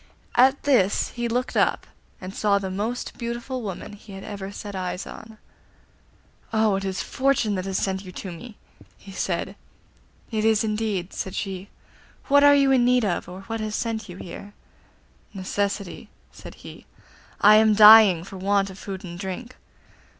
At this he looked up, and saw the most beautiful woman he had ever set eyes on. 'Oh, it is Fortune that has sent you to me,' he said. 'It is indeed,' said she. 'What are you in need of, or what has sent you here?' 'Necessity,' said he. 'I am dying for want of food and drink.